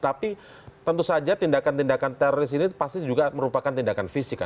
tapi tentu saja tindakan tindakan teroris ini pasti juga merupakan tindakan fisik